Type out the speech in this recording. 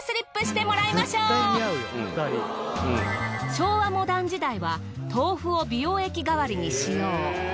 昭和モダン時代は豆腐を美容液代わりに使用。